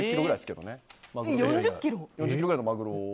４０ｋｇくらいのマグロを。